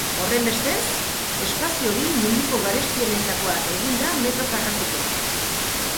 Horrenbestez, espazio hori munduko garestienetakoa egin da metro karratuko.